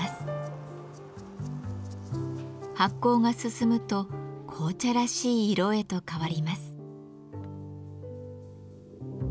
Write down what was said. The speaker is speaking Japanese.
発酵が進むと紅茶らしい色へと変わります。